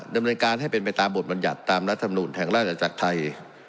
ดำเนินการให้เป็นไปตามบทบรรยัติตามรัฐมนุนแห่งราชจักรไทย